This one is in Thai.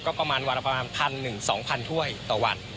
ก็ประมาณ๑๐๐๐๒๐๐๐ถ้วยต่อวัน